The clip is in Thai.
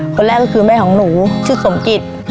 คนแรกก็คือแม่ของหนูชื่อสมจิต